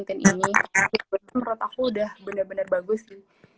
tapi menurut aku udah bener bener bagus sih